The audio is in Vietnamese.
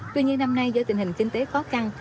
tuy nhiên năm nay do tình hình kinh tế khó khăn